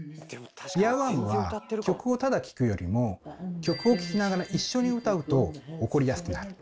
イヤーワームは曲をただ聞くよりも曲を聞きながら一緒に歌うと起こりやすくなる。